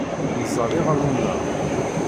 Neẓẓel iɣallen-nneɣ.